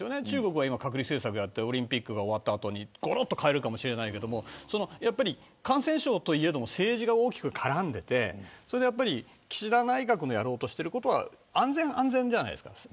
中国は隔離政策をやってオリンピックが終わった後にごろっと変えるかもしれないけれども感染症といえども政治が大きく絡んでてそれでやっぱり岸田内閣がやろうとしてることは安全、安全じゃないですか。